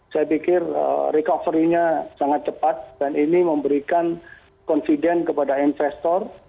saya pikir recovery nya sangat cepat dan ini memberikan confident kepada investor